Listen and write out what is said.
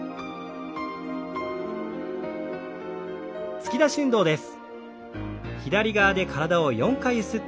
突き出し運動です。